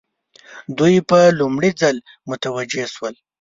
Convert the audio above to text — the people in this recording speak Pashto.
دوی په لومړي ځل متوجه شول.